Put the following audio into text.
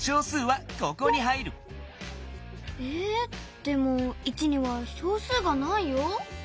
でも１には小数がないよ。